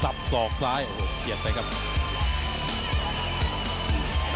มันต้องอย่างงี้มันต้องอย่างงี้